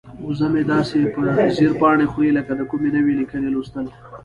وزه مې داسې په ځیر پاڼې خوري لکه د کومې نوې لیکنې لوستل.